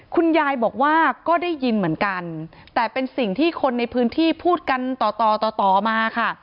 คุณยายบอกว่าก็ได้ยินเหมือนกันแต่เป็นสิ่งที่คนในพื้นที่พูดกันต่อต่อต่อต่อมาค่ะ